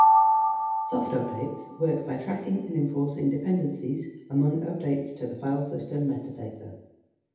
Soft updates work by tracking and enforcing dependencies among updates to file system meta-data.